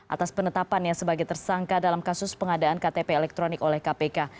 atas penetapannya sebagai tersangka dalam kasus pengadaan ktp elektronik oleh kpk